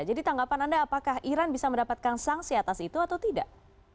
jadi tanggapan anda apakah iran bisa mendapatkan sanksi atas itu atau tidak